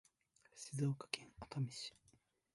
静岡県熱海市